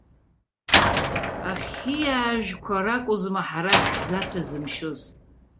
Ахьиаажәқәа ракәызма ҳара ҳзаҭәазымшьоз.